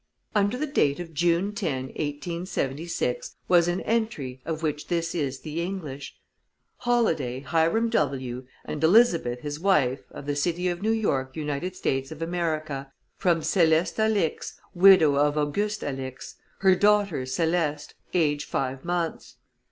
Under the date of June 10, 1876, was an entry of which this is the English: "Holladay, Hiram W., and Elizabeth, his wife, of the city of New York, United States of America; from Céleste Alix, widow of Auguste Alix, her daughter Céleste, aged five months.